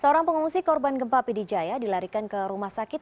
seorang pengungsi korban gempa pidijaya dilarikan ke rumah sakit